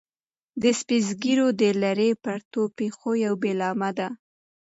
د سپي زګیروی د لیرې پرتو پېښو یو پیلامه ده.